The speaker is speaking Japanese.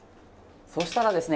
そしたらですね